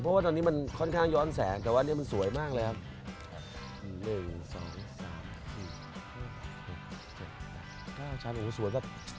เพราะว่าตอนนี้มันค่อนข้างย้อนแสงแต่ว่านี่มันสวยมากเลยครับ